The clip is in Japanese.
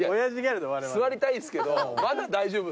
座りたいですけどまだ大丈夫っすよ。